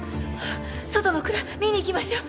外のくら見に行きましょう。